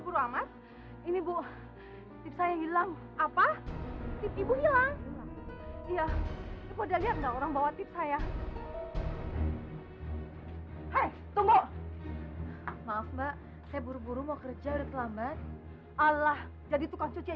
buat ibu saja semuanya